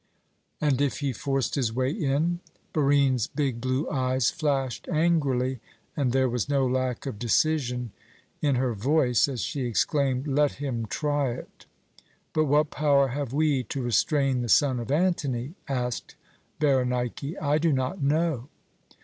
"And if he forced his way in?" Barine's big blue eyes flashed angrily, and there was no lack of decision in her voice as she exclaimed, "Let him try it!" "But what power have we to restrain the son of Antony?" asked Berenike. "I do not know."